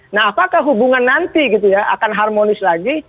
nah apakah hubungan nanti gitu ya akan harmonis lagi